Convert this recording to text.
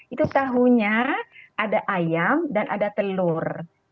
itu tahunya ada ayam dan ada telur